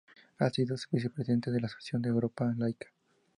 Ha sido vicepresidente de la asociación Europa Laica.